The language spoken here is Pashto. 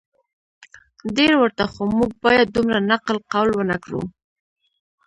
ډیر ورته خو موږ باید دومره نقل قول ونه کړو